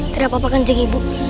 tidak apa apa kanjing ibu